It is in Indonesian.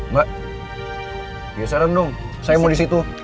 mbak geseran dong saya mau di situ